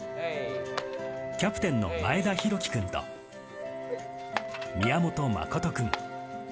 キャプテンの前田浩貴君と、宮本真実君。